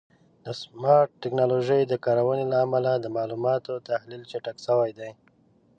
د سمارټ ټکنالوژیو د کارونې له امله د معلوماتو تحلیل چټک شوی دی.